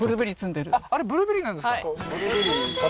あれブルーベリーなんですか？